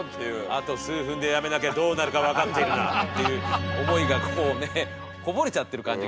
「あと数分でやめなきゃどうなるか分かってるな」っていう思いがこうねこぼれちゃってる感じがありましたけど。